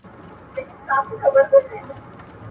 څېړنه د محصلینو د پوهې کچه څرګندوي.